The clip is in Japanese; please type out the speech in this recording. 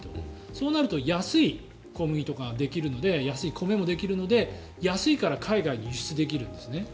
そうなると安い小麦とかができるので安い米もできるので安いから海外に輸出できるんですね。